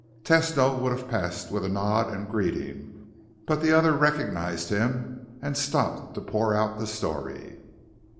Tesno would have passed with a nod and greeting, but the other recognized him and stopped to pour out the story.